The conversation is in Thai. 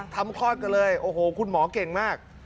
ทำคลอดกันเลยคุณหมอเก่งมาก